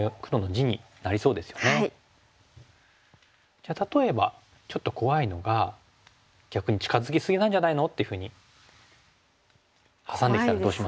じゃあ例えばちょっと怖いのが逆に「近づき過ぎなんじゃないの？」っていうふうにハサんできたらどうしますか？